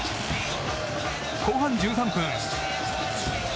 後半１３分。